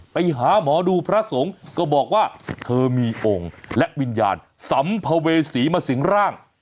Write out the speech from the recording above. ไปหาหมอดูพระสงฆ์ก็บอกว่าเธอมีองค์และวิญญาณสัมภเวษีมาสิงร่าง